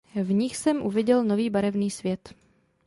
V nich jsem uviděl nový barevný svět.